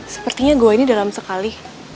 sepertinya gua ini dalam sekali